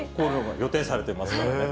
予定されてますからね。